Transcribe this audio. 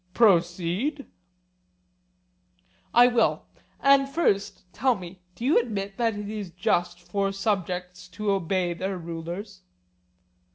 Proceed. I will; and first tell me, Do you admit that it is just for subjects to obey their rulers?